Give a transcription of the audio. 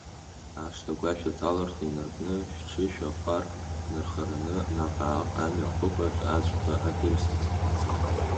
Ашҭа агәашә аҭаларҭа инаркны, шә-ҽышьахәарк инархараны, наҟ-ааҟ амҩа ахықәаҿ аҵәқәа адырсит.